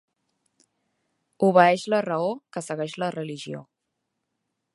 Obeeix la raó que segueix la religió.